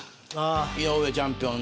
井上チャンピオン。